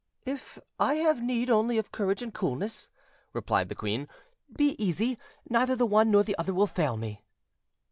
"If I have need only of courage and coolness," replied the queen, "be easy; neither the one nor the other will fail me."